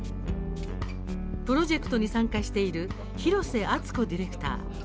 プロジェクトに参加している廣瀬温子ディレクター。